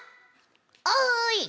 おい！